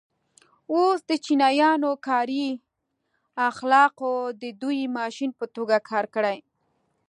اوس د چینایانو کاري اخلاقو د ودې ماشین په توګه کار کړی.